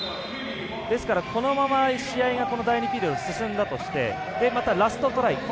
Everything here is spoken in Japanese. ですから、このまま試合が第２ピリオド進んだとしてまたラストトライ